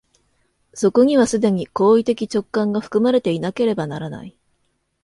そこには既に行為的直観が含まれていなければならない。